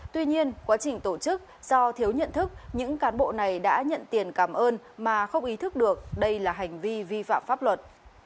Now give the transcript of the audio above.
tuy nhiên quá trình tổ chức do thiếu nhận thức những cán bộ này đã nhận tiền cảm ơn mà không ý thức được đây là hành vi vi phạm pháp luật